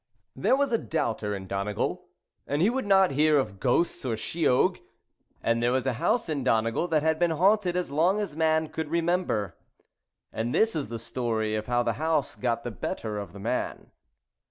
There was a doubter in Donegal, and he would not hear of ghosts or sheogues, and there was a house in Donegal that had been haunted as long as man could remember, and this is the story of how the house got the better of the man.